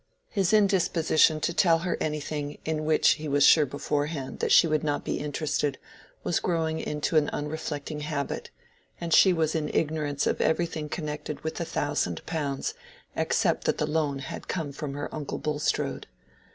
His indisposition to tell her anything in which he was sure beforehand that she would not be interested was growing into an unreflecting habit, and she was in ignorance of everything connected with the thousand pounds except that the loan had come from her uncle Bulstrode.